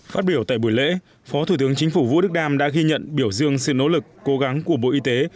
phát biểu tại buổi lễ phó thủ tướng chính phủ vũ đức đam đã ghi nhận biểu dương sự nỗ lực cố gắng của bộ y tế